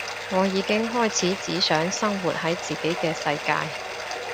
我已經開始只想生活喺自己嘅世界